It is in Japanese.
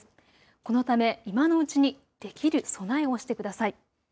このため今のうちにできる備えをしてください。